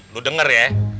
lo denger ya